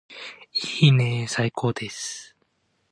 いいねーー最高です